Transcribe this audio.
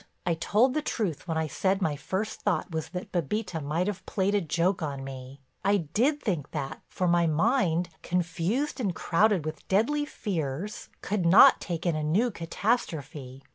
I told the truth when I said my first thought was that Bébita might have played a joke on me. I did think that, for my mind, confused and crowded with deadly fears, could not take in a new catastrophe.